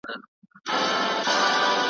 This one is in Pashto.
په لمبو کي مځکه سره لکه تبۍ ده ,